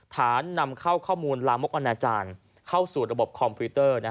นำเข้าข้อมูลลามกอนาจารย์เข้าสู่ระบบคอมพิวเตอร์